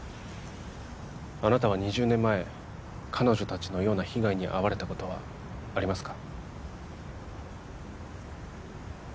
あなたは２０年前彼女達のような被害に遭われたことはありますか？